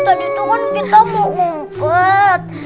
tadi itu kan kita mau ngumpet